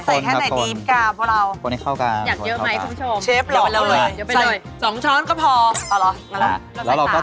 ส่งมาปัน